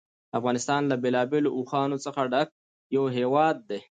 افغانستان له بېلابېلو اوښانو څخه ډک یو هېواد دی.